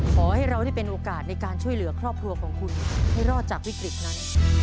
ขอให้เราได้เป็นโอกาสในการช่วยเหลือครอบครัวของคุณให้รอดจากวิกฤตนั้น